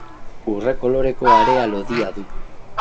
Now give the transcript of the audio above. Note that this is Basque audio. Urre koloreko harea lodia du.